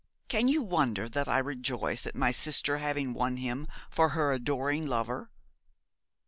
Can you wonder that I rejoice at my sister's having won him for her adoring lover?'